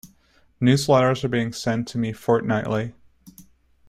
Newsletters are being sent to me fortnightly.